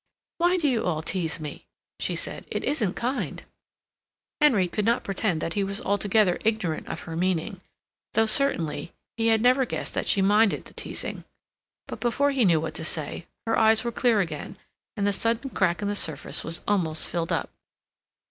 "Why do you all tease me?" she said. "It isn't kind." Henry could not pretend that he was altogether ignorant of her meaning, though, certainly, he had never guessed that she minded the teasing. But before he knew what to say, her eyes were clear again, and the sudden crack in the surface was almost filled up.